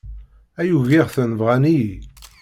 Ay ugiɣ-ten bɣan-iyi.